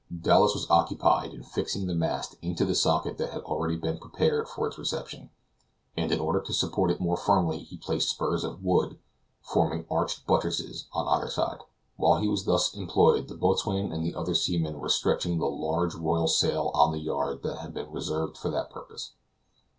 Dowlas was occupied in fixing the mast into the socket that had already been prepared for its reception, and in order to support it more firmly he placed spurs of wood, forming arched buttresses, on either side. While he was thus employed the boatswain and the other seamen were stretching the large royal sail on the yard that had been reserved for that purpose.